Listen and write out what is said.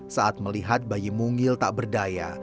saat melihat bayi mungil tak berdaya